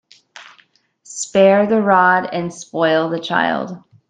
Spare the rod and spoil the child.